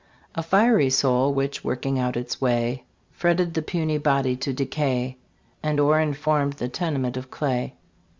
A fiery soul, which, working out its way, Fretted the puny body to decay, And o'er informed the tenement of clay.